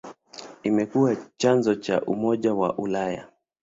Imekuwa chanzo cha Umoja wa Ulaya.